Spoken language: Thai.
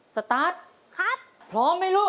สตาร์ทพร้อมไหมลูก